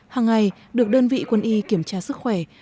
hàng ngày được đơn vị quân y kiểm tra sức khỏe